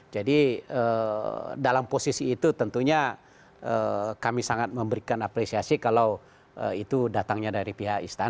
jadi dalam posisi itu tentunya kami sangat memberikan apresiasi kalau itu datangnya dari pihak istana